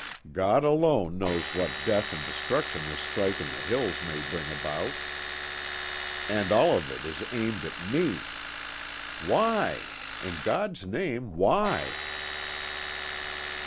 God alone knows what death and destruction this strike in the hills may bring about. And all of it is aimed at me. Why? In God's name, why?"